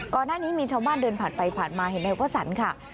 ก่อนหน้านี้มีชาวบ้านเดินผ่านไปผ่านมาเห็นนายวสันค่ะ